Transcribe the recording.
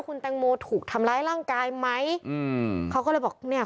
คุณแตงโมถูกทำร้ายร่างกายไหมอืมเขาก็เลยบอกเนี้ย